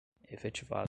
efetivada